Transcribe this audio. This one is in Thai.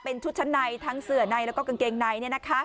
เป็นชุดชั้นในทั้งเสือในแล้วก็กางเกงใน